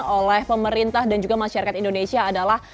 oleh pemerintah dan juga masyarakat indonesia adalah